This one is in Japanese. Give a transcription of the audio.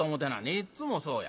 いっつもそうや。